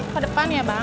ke depan ya bang